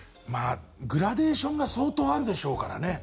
グラデーションが相当あるでしょうからね。